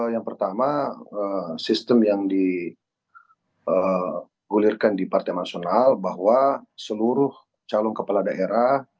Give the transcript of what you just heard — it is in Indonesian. yang pertama sistem yang digulirkan di partai nasional bahwa seluruh calon kepala daerah